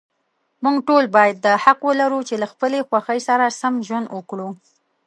موږ ټول باید دا حق ولرو، چې له خپلې خوښې سره سم ژوند وکړو.